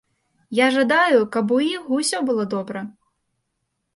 Я жадаю, каб у іх усё было добра.